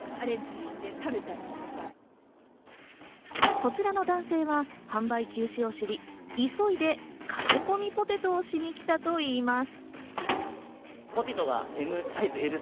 こちらの男性は販売休止を知り、急いで駆け込みポテトをしに来たといいます。